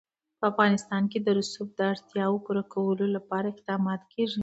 په افغانستان کې د رسوب د اړتیاوو پوره کولو لپاره اقدامات کېږي.